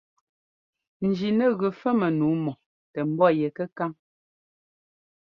Jí nɛ gʉ fɛ́mmɛ nǔu mɔ tɛ ḿbɔ́ yɛ kɛkáŋ.